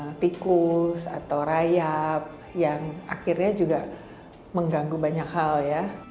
ada tikus atau rayap yang akhirnya juga mengganggu banyak hal ya